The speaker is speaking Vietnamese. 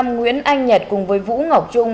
nguyễn anh nhật cùng với vũ ngọc trung